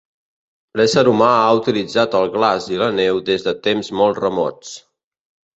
L’ésser humà ha utilitzat el glaç i la neu des de temps molt remots.